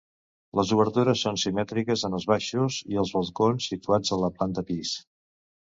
Les obertures són simètriques en els baixos i els balcons situats a la planta pis.